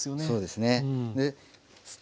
そうですね。